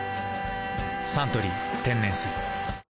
「サントリー天然水」